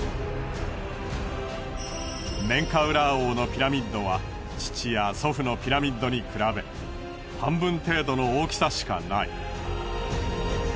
メンカウラー王のピラミッドは父や祖父のピラミッドに比べ半分程度の大きさしかない。